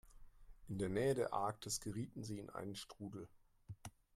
In der Nähe der Arktis gerieten sie in einen Strudel.